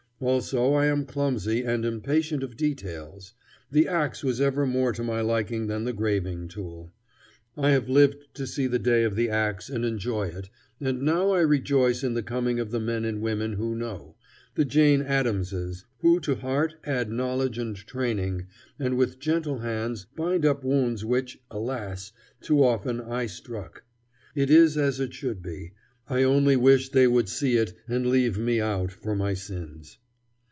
Also, I am clumsy, and impatient of details. The axe was ever more to my liking than the graving tool. I have lived to see the day of the axe and enjoy it, and now I rejoice in the coming of the men and women who know; the Jane Addamses, who to heart add knowledge and training, and with gentle hands bind up wounds which, alas! too often I struck. It is as it should be. I only wish they would see it and leave me out for my sins.